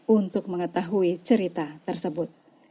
untuk mengetahui cerita tersebut